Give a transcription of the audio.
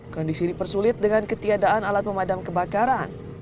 kondisi dipersulit dengan ketiadaan alat pemadam kebakaran